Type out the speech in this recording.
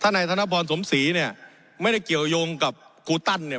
นายธนพรสมศรีเนี่ยไม่ได้เกี่ยวยงกับครูตั้นเนี่ย